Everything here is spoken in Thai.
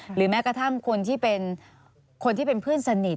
หรือแม้กระทั่งคนที่เป็นเพื่อนสนิท